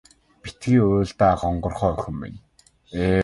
Битгий уйл даа хонгорхон охин минь.